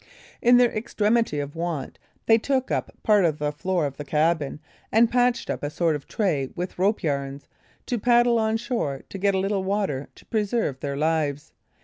In their extremity of want, they took up part of the floor of the cabin, and patched up a sort of tray with rope yarns, to paddle on shore to get a little water to preserve their lives.